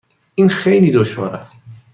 این خیلی دشوار است.